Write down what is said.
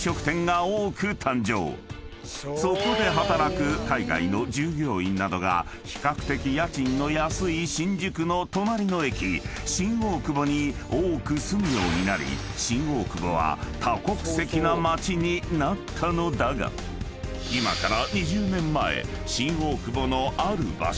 ［そこで働く海外の従業員などが比較的家賃の安い新宿の隣の駅新大久保に多く住むようになり新大久保は多国籍な街になったのだが今から］